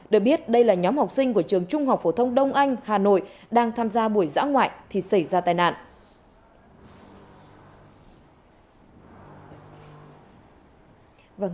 được biết đây là nhóm học sinh của trường trung học phổ thông đông anh hà nội đang tham gia buổi giã ngoại thì xảy ra tai nạn